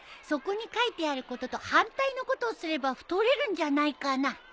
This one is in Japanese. そこに書いてあることと反対のことをすれば太れるんじゃないかな。